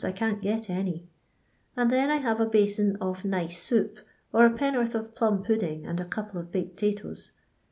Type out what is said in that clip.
I can't get any, — and then I have a basin of nice soup, or a penn'orth of plum pudding and a couple of buked 'tatoos.